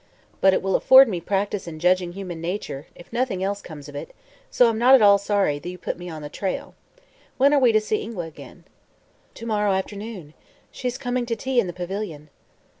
But it will afford me practice in judging human nature, if nothing else comes of it, so I'm not at all sorry you put me on the trail. When are we to see Ingua again?" "To morrow afternoon. She's coming to tea in the pavilion."